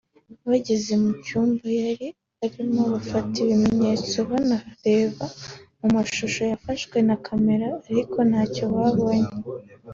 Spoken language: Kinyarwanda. bageze mu cyumba yari arimo bafata ibimenyetso banareba mu mashusho yafashwe na Camera ariko ntacyo babonye